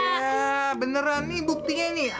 iya beneran nih buktinya nih